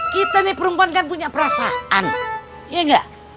kita nih perempuan kan punya perasaan iya gak